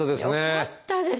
よかったですよ。